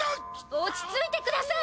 落ち着いてください！